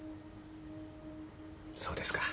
そうですか。